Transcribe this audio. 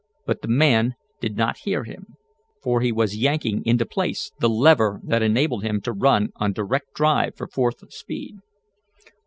But the man did not hear him, for he was yanking into place the lever that enabled him to run on direct drive for fourth speed.